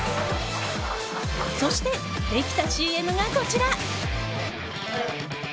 そして、できたＣＭがこちら。